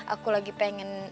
aku lagi pengen